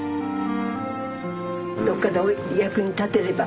どっかでお役に立てれば。